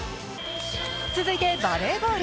続いてバレーボール。